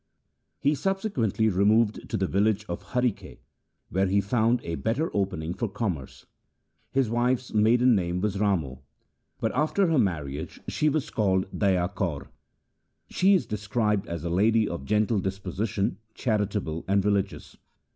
He subsequently removed to the village of Harike, where he found a better opening for commerce. His wife's maiden name was Ramo, but after her marriage she was called Daya Kaur. She is described as a lady of gentle disposition, charitable, and religious.